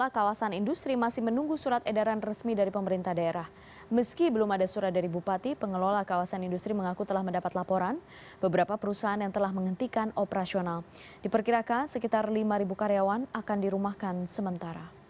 kawasan industri mm dua ribu seratus cikarang barat bekasi jawa barat